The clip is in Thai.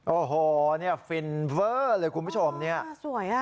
โอ้โหเนี่ยฟินเวอร์เลยคุณผู้ชมเนี่ยสวยอ่ะ